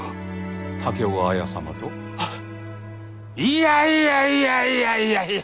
いやいやいやいやいやいや。